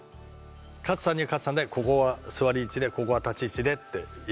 勝さんには勝さんでここは座り位置でここは立ち位置でってやりました。